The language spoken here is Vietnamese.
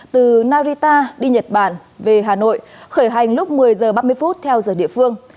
từ narita đi nhật bản về hà nội khởi hành lúc một mươi h ba mươi theo giờ địa phương